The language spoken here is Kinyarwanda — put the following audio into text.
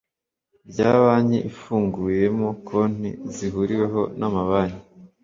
rya banki ifunguyemo konti zihuriweho namabanki